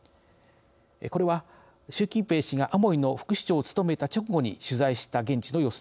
これは習近平氏がアモイの副市長を務めた直後に取材した現地の様子です。